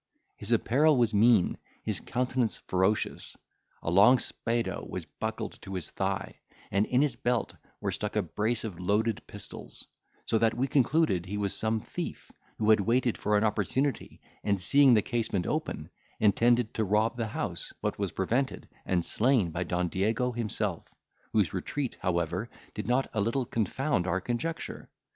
His apparel was mean, his countenance ferocious; a long spado was buckled to his thigh, and, in his belt, were stuck a brace of loaded pistols; so that we concluded he was some thief, who had waited for an opportunity, and seeing the casement open, intended to rob the house, but was prevented, and slain by Don Diego himself, whose retreat, however, did not a little confound our conjecture.